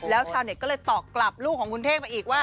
แล้วชาวเน็ตก็เลยตอบกลับลูกของคุณเทพมาอีกว่า